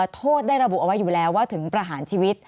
โทษได้ระบุเอาไว้อยู่แล้วว่าถึงประหารชีวิต